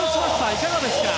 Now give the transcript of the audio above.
いかがですか？